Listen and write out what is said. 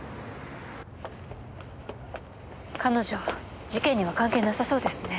彼女事件には関係なさそうですね。